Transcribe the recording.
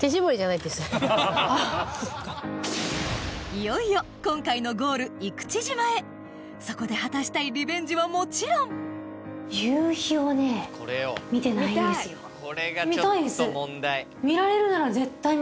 いよいよ今回のゴール生口島へそこで果たしたいリベンジはもちろん見られるなら。